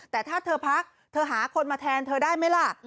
แต่ถ้าเธอพักเธอหาคนมาแทนเธอได้ไหมล่ะ